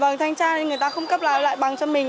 vâng thanh tra nên người ta không cấp lại lại bằng cho mình